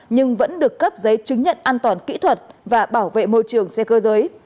nhưng vẫn được cấp giấy chứng nhận an toàn kỹ thuật và bảo vệ môi trường xe cơ giới